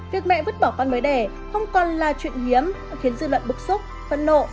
việc mẹ vứt bỏ con mới đẻ không còn là chuyện hiếm khiến dư luận bức xúc phẫn nộ